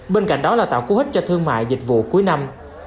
bên cạnh đó là tạo cú hích cho thương mại dịch vụ cuối năm